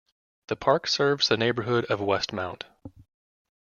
The park serves the neighbourhood of Westmount.